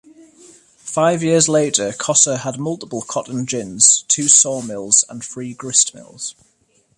Five years later, Kosse had multiple cotton gins, two sawmills, and three gristmills.